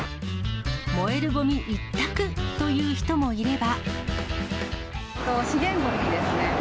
燃えるごみ１択という人もいれば。